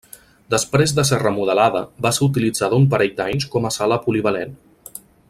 Després de ser remodelada va ser utilitzada un parell d'anys com a sala polivalent.